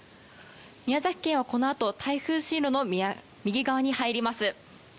宮崎県はこのあと台風進路の右側に入ります。